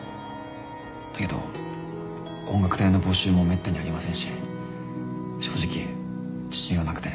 だけど音楽隊の募集もめったにありませんし正直自信はなくて。